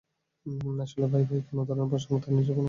আসলে ভাইভায় কোন ধরনের প্রশ্ন হবে, তার নির্দিষ্ট কোনো কাঠামো নেই।